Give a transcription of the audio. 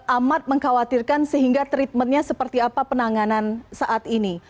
amat mengkhawatirkan sehingga treatment nya seperti apa penanganan